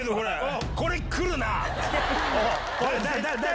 誰？